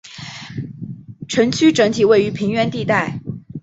城区整体位于平原地带。